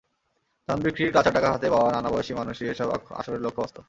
ধান বিক্রির কাঁচা টাকা হাতে পাওয়া নানা বয়সী মানুষই এসব আসরের লক্ষ্যবস্তু।